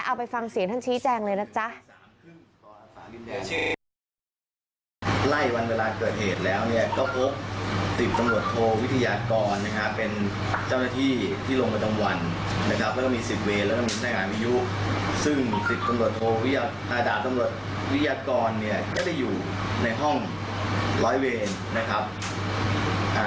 เอาไปฟังเสียงท่านชี้แจงเลยนะจ๊ะ